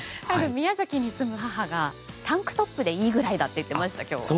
宮崎に住む母がタンクトップでいいぐらいだと言っていました。